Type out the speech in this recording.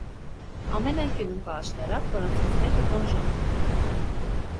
Ամեն անկյունում կա աշտարակ, որոնցից մեկը դոնժոն է։